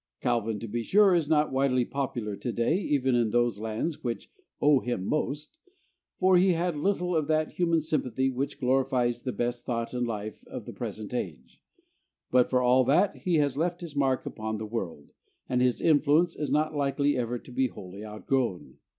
Calvin, to be sure, is not widely popular to day even in those lands which owe him most, for he had little of that human sympathy which glorifies the best thought and life of the present age; but for all that, he has left his mark upon the world, and his influence is not likely ever to be wholly outgrown.